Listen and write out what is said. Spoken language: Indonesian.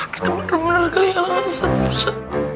kita bener bener keliatan ustadz musa